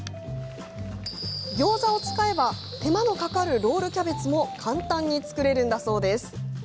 ギョーザを使えば手間のかかるロールキャベツも簡単に作れるんだそうです。